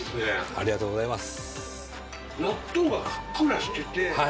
ありがとうございます。